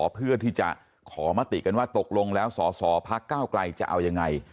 เพื่อที่จะขอมติกันว่าตกลงแล้วสอสอพักก้าวไกลจะเอายังไง